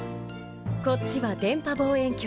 こっちは電波望遠鏡。